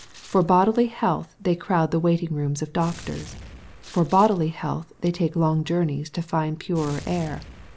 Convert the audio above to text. For bodily health they crowd the waiting rooms of doctors. For bodily health they MATTHEW, CHAP XV. 185 take long joumeTS to find purer air.